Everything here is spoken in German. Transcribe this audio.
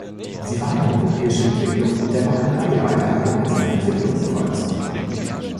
Sie war eine europäische Entwicklung, der noch eine Reihe weiterer gemeinsamer Entwicklungen folgen sollten.